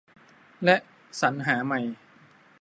และ สรรหาใหม่